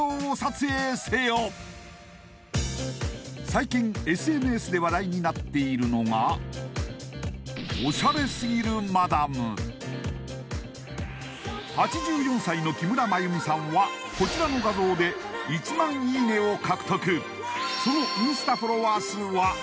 最近ＳＮＳで話題になっているのが８４歳の木村眞由美さんはこちらの画像で「１万いいね！」を獲得